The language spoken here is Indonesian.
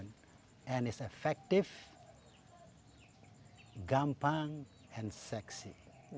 dan itu efektif gampang dan seksi